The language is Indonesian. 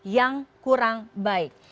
yang kurang baik